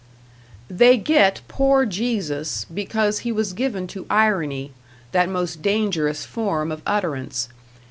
They get poor Jesus because he was given to irony, that most dangerous form of utterance.